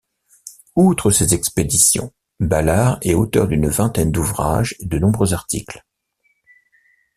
Outre ses expéditions, Ballard est auteur d'une vingtaine d'ouvrages et de nombreux articles.